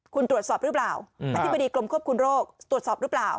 คุณตรวจสอบหรือเปล่าอธิบดีกรมควบคุมโรคตรวจสอบหรือเปล่า